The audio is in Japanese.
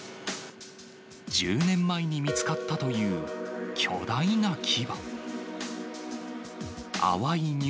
１０年前に見つかったという巨大な牙。